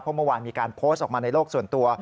เพราะเมื่อวานมีการโพสต์ออกมาในโลกส่วนตัว